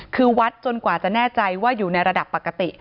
คือวัดจนกว่าจะแน่ใจว่าอยู่ในระดับปกติ